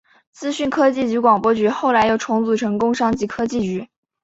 资讯科技及广播局后来又重组成工商及科技局。